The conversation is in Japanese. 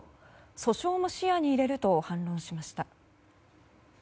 訴訟も視野に入れると反論しました。